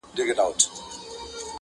د ها بل يوه لكۍ وه سل سرونه.!